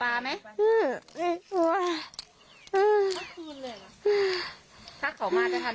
อยากได้ร่างอยู่ตรงไหน